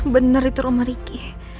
bener itu rumah riki